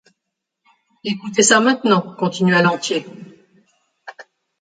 Écoutez ça maintenant, continua Lantier.